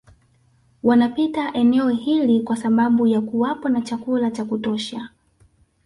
Wanapita eneo hili kwa sababu ya kuwapo na chakula cha kutosha